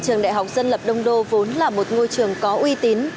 trường đại học dân lập đông đô vốn là một ngôi trường có uy tín